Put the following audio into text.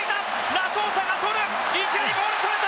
ラソーサがとる１塁、ボールがそれた。